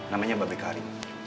namanya mbak bekari